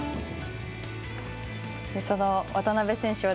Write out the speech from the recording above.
その渡部選手は